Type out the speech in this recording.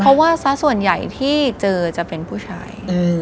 เพราะว่าซะส่วนใหญ่ที่เจอจะเป็นผู้ชาย